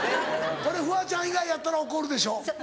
これフワちゃん以外やったら怒るでしょ。